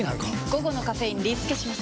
午後のカフェインリスケします！